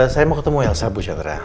saya mau ketemu elsa bu chandra